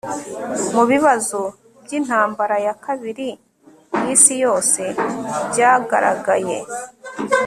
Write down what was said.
mubibazo byintambara ya kabiri yisi yose byagaragaye